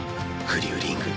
フリューリング。